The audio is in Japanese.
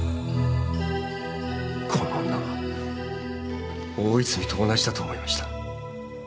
この女は大泉と同じだと思いました。